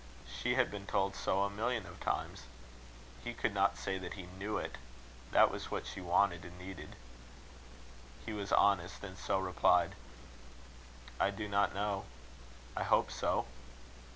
She had been told so a million of times. He could not say that he knew it. That was what she wanted and needed. He was honest, and so replied: "I do not know. I hope so."